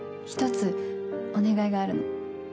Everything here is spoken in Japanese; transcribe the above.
１つ、お願いがあるの。